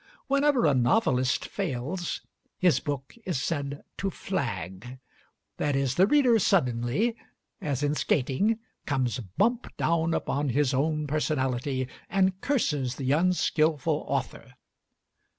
Whenever a novelist fails, his book is said to flag; that is, the reader suddenly (as in skating) comes bump down upon his own personality, and curses the unskillful author.